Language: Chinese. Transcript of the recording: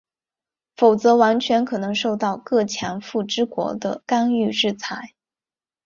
否则完全可能受到各强富之国的干预制裁。